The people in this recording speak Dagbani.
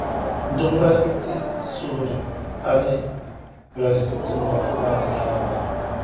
Di ŋmalgi ti suhiri A ni dolsi ti ŋɔ maa nyaaŋa.